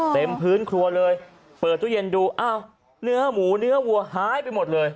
เต็มพื้นครัวเลยเปิดตู้เย็นดูอ้าวเนื้อหมูเนื้อวัวหายไปหมดเลย